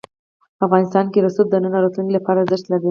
افغانستان کې رسوب د نن او راتلونکي لپاره ارزښت لري.